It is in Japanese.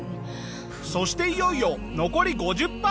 そしていよいよ残り５０パーツ！